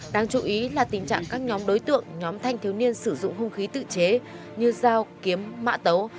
đáng chú ý là tình trạng các nhóm đối tượng nhóm thanh thiếu niên sử dụng hung khí tự chế như dao kiếm mạ tấu